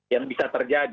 yang bisa terjadi